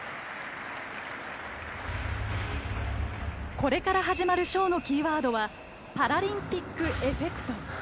これから始まるショーのキーワードは「パラリンピック・エフェクト」。